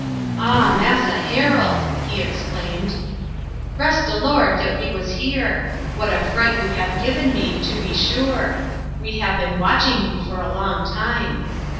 "Ah, Massa Harold!" he exclaimed. "Bress de Lord dat we was here! What a fright you hab giben me, to be sure! We hab been watching you for a long time.